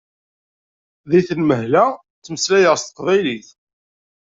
Deg tenmehla ttmeslayeɣ s teqbaylit.